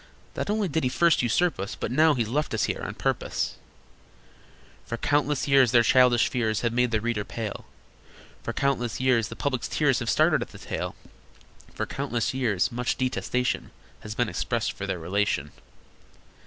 Not only did he first usurp us, But now he's left us here on purpose!" For countless years their childish fears Have made the reader pale, For countless years the public's tears Have started at the tale, For countless years much detestation Has been expressed for their relation.